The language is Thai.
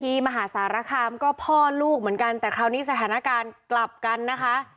มหาสารคามก็พ่อลูกเหมือนกันแต่คราวนี้สถานการณ์กลับกันนะคะ